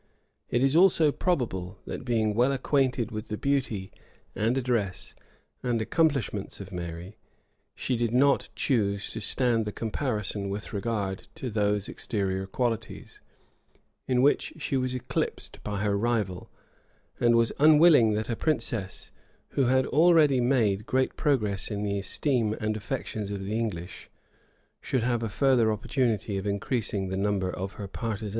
It is also probable, that being well acquainted with the beauty, and address, and accomplishments of Mary, she did not choose to stand the comparison with regard to those exterior qualities, in which she was eclipsed by her rival; and was unwilling that a princess, who had already made great progress in the esteem and affections of the English, should have a further opportunity of increasing the number of her partisans.